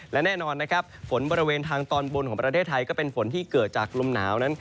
และแน่นอนนะครับฝนบริเวณทางตอนบนของประเทศไทยก็เป็นฝนที่เกิดจากลมหนาวนั้น